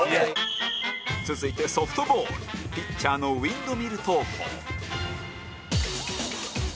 続いてソフトボールピッチャーのウインドミル投法